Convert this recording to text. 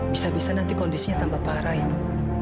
bisa bisa nanti kondisinya tambah parah itu